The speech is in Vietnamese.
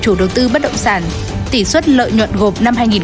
chủ đầu tư bất động sản tỷ suất lợi nhuận